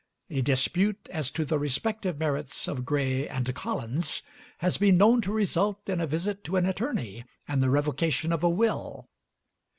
A dispute as to the respective merits of Gray and Collins has been known to result in a visit to an attorney and the revocation of a will.